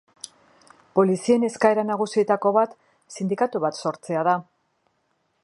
Polizien eskaera nagusietako bat sindikatu bat sortzea da.